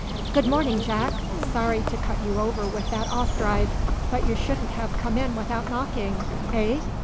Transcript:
"Good morning, Jack! Sorry to cut you over with that off drive; but you shouldn't have come in without knocking. Eh?